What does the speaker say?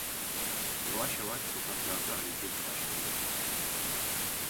Yavaş yavaş sokaklarda hareket başladı.